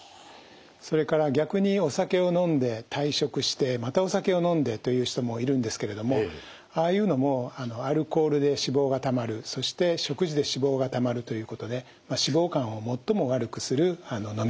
それから逆にお酒を飲んで大食してまたお酒を飲んでという人もいるんですけれどもああいうのもアルコールで脂肪がたまるそして食事で脂肪がたまるということで脂肪肝を最も悪くする飲み方になります。